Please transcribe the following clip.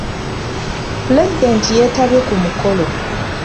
Pulezidenti yeetabye ku mukolo.